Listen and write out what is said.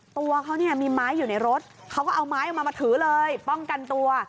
ตัวเขาเนี่ยมีไม้อยู่ในรถเขาก็เอาไม้ออกมามาถือเลยป้องกันตัว